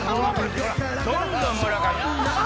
どんどん村上。